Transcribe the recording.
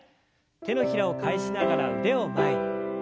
手のひらを返しながら腕を前に。